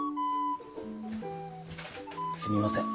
すみません。